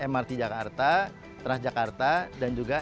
mrt jakarta transjakarta dan juga